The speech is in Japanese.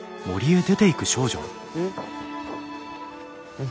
うん？